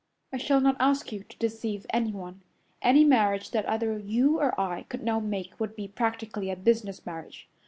"I shall not ask you to deceive anyone. Any marriage that either you or I could now make would be practically a business marriage.